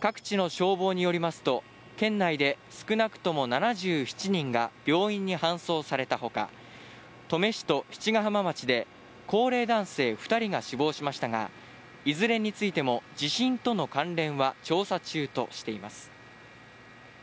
各地の消防によりますと県内で少なくとも７７人が病院に搬送されたほか、登米市と七ヶ浜町で高齢男性２人が死亡しましたが、いずれについても地震との関連は調査中としています。